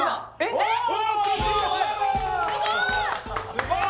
すごーい！